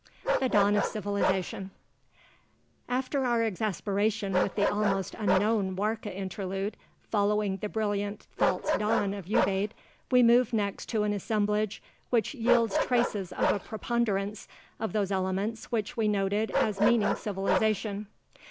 THE DAWN OF CIVILIZATION After our exasperation with the almost unknown Warka interlude, following the brilliant "false dawn" of Ubaid, we move next to an assemblage which yields traces of a preponderance of those elements which we noted (p. 144) as meaning civilization.